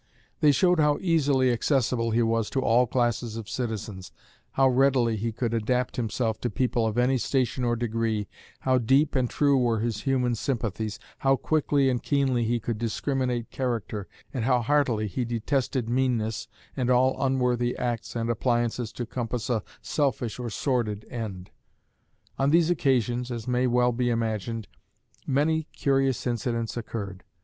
They showed how easily accessible he was to all classes of citizens, how readily he could adapt himself to people of any station or degree, how deep and true were his human sympathies, how quickly and keenly he could discriminate character, and how heartily he detested meanness and all unworthy acts and appliances to compass a selfish or sordid end. On these occasions, as may well be imagined, many curious incidents occurred.